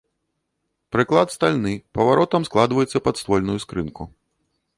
Прыклад стальны, паваротам складваецца пад ствольную скрынку.